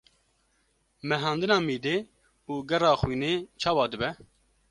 mehandina mîdê û gera xwînê çawa dibe?